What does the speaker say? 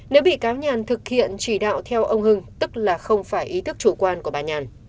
nếu bị cáo nhàn thực hiện chỉ đạo theo ông hưng tức là không phải ý thức chủ quan của bà nhàn